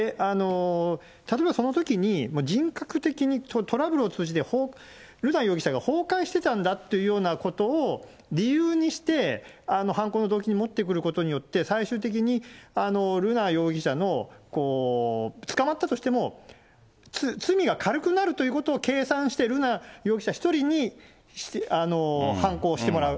例えば、そのときに人格的にトラブルを通じて、瑠奈容疑者が崩壊してたんだっていうようなことを理由にして、犯行の動機に持ってくることによって、最終的に瑠奈容疑者の捕まったとしても、罪が軽くなるということを計算して、瑠奈容疑者１人に犯行をしてもらう。